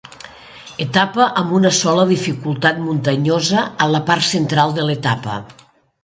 Etapa amb una sola dificultat muntanyosa, a la part central de l'etapa.